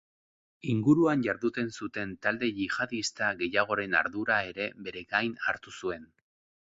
Inguruan jarduten zuten talde yihadista gehiagoren ardura ere bere gain hartu zuen.